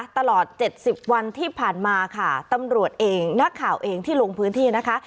ตลอด๗๐วันที่ผ่านมาค่ะตำรวจเองนักข่าวเองที่ลงพื้นที่นะคะ